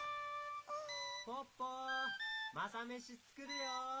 ・ポッポマサメシつくるよ！